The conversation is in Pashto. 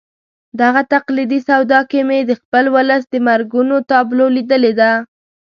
دغه تقلیدي سودا کې مې د خپل ولس د مرګونو تابلو لیدلې ده.